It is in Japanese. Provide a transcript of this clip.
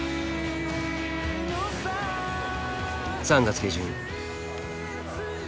３月下旬。